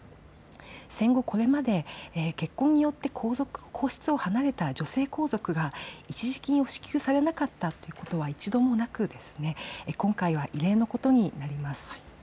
戦後、これまで結婚によって皇室を離れた女性皇族が一時金を支給されなかったということは一度もなく今回は異例のことになります。